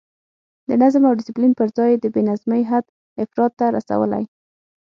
د نظم او ډسپلین پر ځای یې د بې نظمۍ حد افراط ته رسولی.